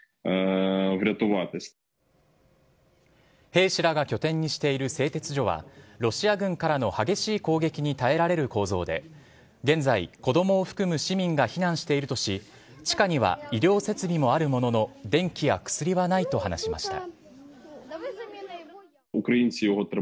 兵士らが拠点にしている製鉄所は、ロシア軍からの激しい攻撃に耐えられる構造で、現在、子どもを含む市民が避難しているとし、地下には医療設備もあるものの、電気や薬はないと話しました。